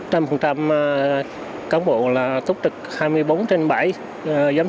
trăm phần trăm cán bộ là thúc trực hai mươi bốn trên bảy giám sát toàn bộ các chuyến bay quốc tế đến đà nẵng